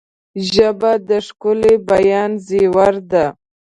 ژبه د ښکلي بیان زیور ده